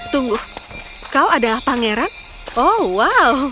tunggu kau adalah pangeran oh wow